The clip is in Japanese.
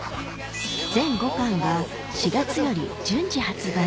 全５巻が４月より順次発売